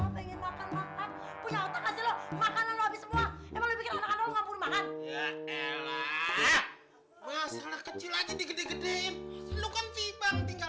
makanan enak banget ah